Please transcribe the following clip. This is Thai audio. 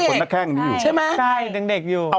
เขาพาท้องมาท้าเล็บ